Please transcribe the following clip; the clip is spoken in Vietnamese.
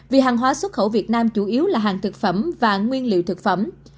vì hàng hóa xuất khẩu việt nam chủ yếu là hàng thực phẩm và nguyên liệu thực phẩm